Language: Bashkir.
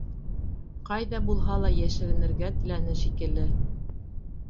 Ҡайҙа булһа ла йәшеренергә теләне шикелле.